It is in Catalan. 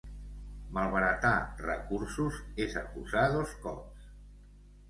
Malbaratar recursos és acusar dos cops.